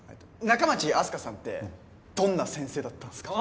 仲町あす花さんってどんな先生だったんすか？